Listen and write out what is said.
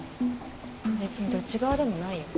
別にどっち側でもないよ。